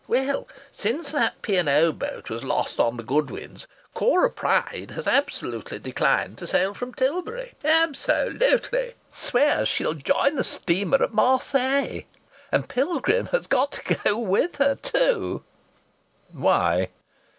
Well, since that P. & O. boat was lost on the Goodwins, Cora Pryde has absolutely declined to sail from Tilbury. Ab so lute ly! Swears she'll join the steamer at Marseilles. And Pilgrim has got to go with her, too." "Why?"